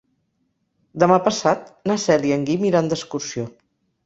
Demà passat na Cel i en Guim iran d'excursió.